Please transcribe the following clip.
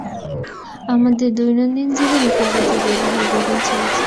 আমাদের দৈনন্দিন জীবনে কাগজের ব্যবহার বেড়েই চলেছে।